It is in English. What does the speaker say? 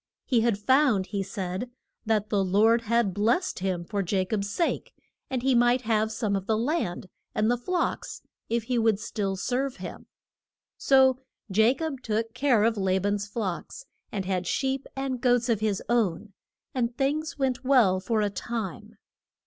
He had found, he said, that the Lord had blest him for Ja cob's sake, and he might have some of the land and the flocks if he would still serve him. So Ja cob took care of La ban's flocks, and had sheep and goats of his own, and things went well for a time.